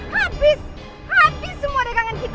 habis habis semua dagangan kita